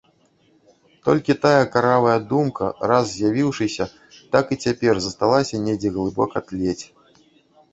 Толькі тая каравая думка, раз з'явіўшыся, так і цяпер засталася недзе глыбока тлець.